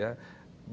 baru apa ya